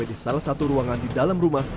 di salah satu ruangan di dalam rumah